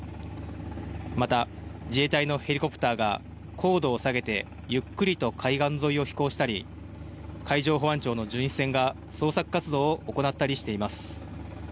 また、自衛隊のヘリコプターが高度を下げて、ゆっくりと海岸沿いを飛行したり、海上保安庁の巡視船が捜索活動を行ったりしています。